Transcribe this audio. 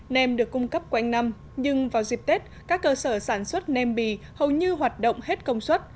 nem được cung cấp quanh năm nhưng vào dịp tết các cơ sở sản xuất nem bì hầu như hoạt động hết công suất